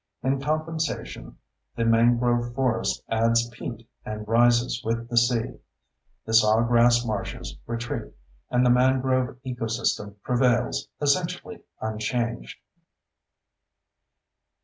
In compensation, the mangrove forest adds peat and rises with the sea. The sawgrass marshes retreat, and the mangrove ecosystem prevails essentially unchanged.